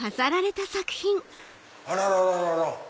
あららら！